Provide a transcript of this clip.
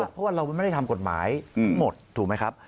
เพราะว่าเราไม่ได้ทำกฎหมายทั้งหมดถูกไหมครับ